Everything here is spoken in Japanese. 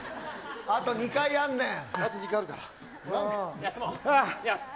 あと２回あんねん。